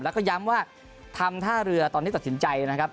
แล้วก็ย้ำว่าทำท่าเรือตอนนี้ตัดสินใจนะครับ